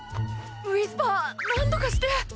ウィスパーなんとかして。